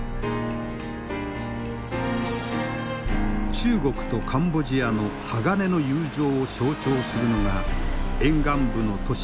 中国とカンボジアの鋼の友情を象徴するのが沿岸部の都市